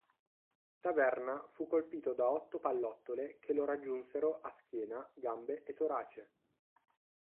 Taverna fu colpito da otto pallottole che lo raggiunsero a schiena, gambe e torace.